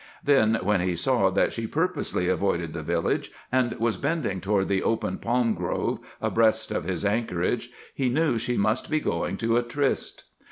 Then, when he saw that she purposely avoided the village and was bending toward the open palm grove abreast of his anchorage, he knew she must be going to a tryst.